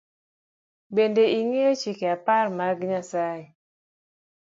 Bende ing’eyo chike apar mar Nyasaye?